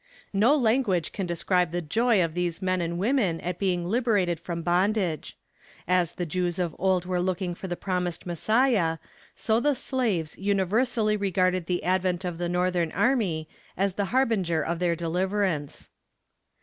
No language can describe the joy of these men and women at being liberated from bondage. As the Jews of old were looking for the promised Messiah, so the slaves universally regarded the advent of the northern army as the harbinger of their deliverance.